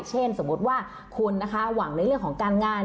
สมมุติว่าคุณนะคะหวังในเรื่องของการงาน